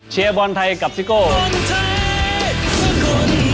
เชียร์บอลไทยกับซิโก้